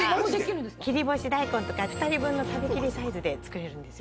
切り干し大根とか２人分の食べきりサイズで作れるんですよ。